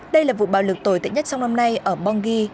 đây là vụ bạo lực tồi tệ nhất trong năm nay ở bunggi